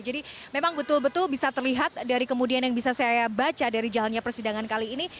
jadi memang betul betul bisa terlihat dari kemudian yang bisa saya baca dari jalannya persidangan kali ini